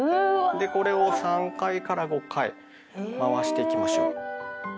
でこれを３５回まわしていきましょう。